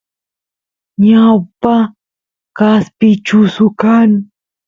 ñawpa kaspi chusu kan